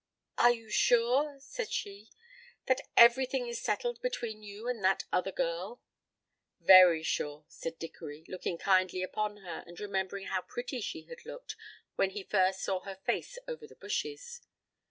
"Are you sure," said she, "that everything is settled between you and that other girl?" "Very sure," said Dickory, looking kindly upon her and remembering how pretty she had looked when he first saw her face over the bushes.